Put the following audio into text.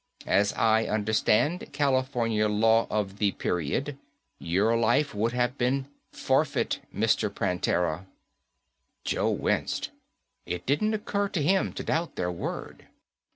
As I understand Californian law of the period, your life would have been forfeit, Mr. Prantera." Joe winced. It didn't occur to him to doubt their word.